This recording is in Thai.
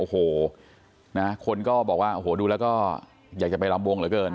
โอ้โหนะคนก็บอกว่าโอ้โหดูแล้วก็อยากจะไปลำวงเหลือเกิน